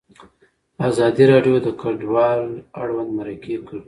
ازادي راډیو د کډوال اړوند مرکې کړي.